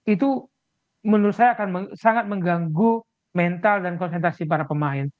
itu menurut saya akan sangat mengganggu mental dan konsentrasi para pemain